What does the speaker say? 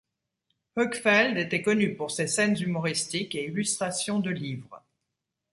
Högfeldt était connu pour ses scènes humoristiques et illustrations de livres.